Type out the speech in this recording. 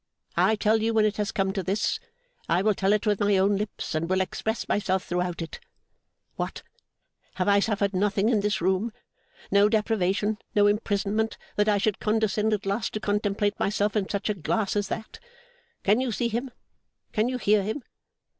I tell you when it has come to this, I will tell it with my own lips, and will express myself throughout it. What! Have I suffered nothing in this room, no deprivation, no imprisonment, that I should condescend at last to contemplate myself in such a glass as that. Can you see him? Can you hear him?